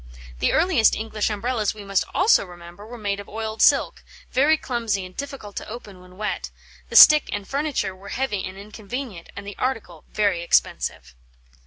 The earliest English Umbrellas, we must also remember, were made of oiled silk, very clumsy and difficult to open when wet; the stick and furniture were heavy and inconvenient, and the article very expensive.